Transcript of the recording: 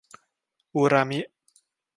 อูรามิ !